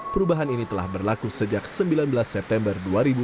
perubahan ini telah berlaku sejak sembilan belas september dua ribu dua puluh